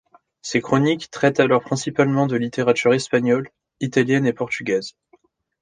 Ses chroniques traitent alors principalement de littérature espagnole, italienne et portugaise.